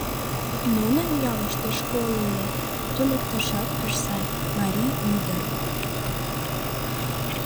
Нунын ялыште школ уло, туныктышат пеш сай, марий ӱдыр.